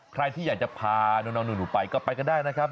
ใครที่อยากจะพาน้องหนูไปก็ไปกันได้นะครับ